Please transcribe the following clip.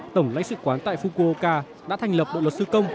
tổng lãnh sự quán tại fukoka đã thành lập đội luật sư công